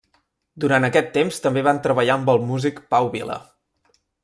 Durant aquest temps també van treballar amb el músic Pau Vila.